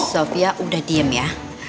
sofia udah diem ya